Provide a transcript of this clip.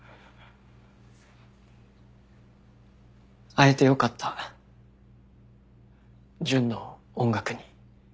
会えて良かったジュンの音楽に。